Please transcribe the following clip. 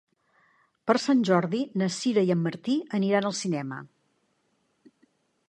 Per Sant Jordi na Sira i en Martí aniran al cinema.